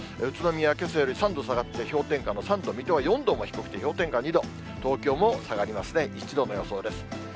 宇都宮、けさより３度下がって氷点下の３度、水戸は４度も低くて氷点下２度、東京も下がりますね、１度の予想です。